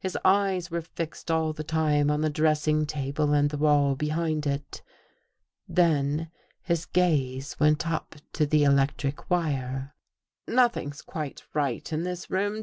His eyes were fixed all the time on the dressing table and the wall behind it. Then his gaze went up to the electric wire. " Nothing's quite right in this room.